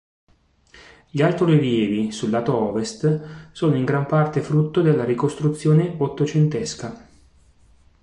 Gli altorilievi sul lato ovest sono in gran parte frutto della ricostruzione ottocentesca.